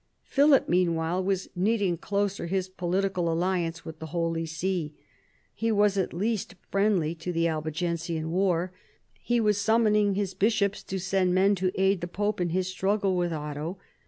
Philip meanwhile was knitting closer his political alliance with the Holy See. He was at least friendly to the Albigensian war. He was summoning his bishops to send men to aid the pope in his struggle with Otto.